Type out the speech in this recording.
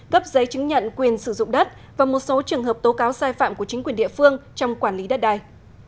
cấp giấy chứng nhận quyền sử dụng đất và một số trường hợp tố cáo sai phạm của chính quyền địa phương trong quản lý đất đai